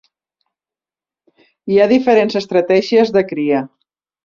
Hi ha diferents estratègies de cria.